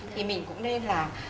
thì mình cũng nên là